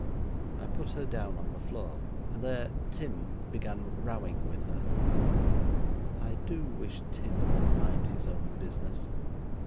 I put her down on the floor, and there Tim began rowing with her. I do wish Tim would mind his own business.